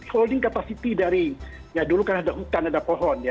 holding capacity dari ya dulu kan ada hutan ada pohon ya